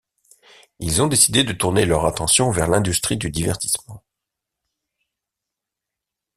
Ils ont décidé de tourner leur attention vers l'industrie du divertissement.